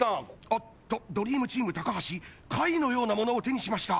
おっとドリームチーム・橋貝のようなものを手にしました